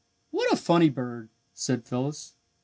"What a funny bird!" said Phyllis.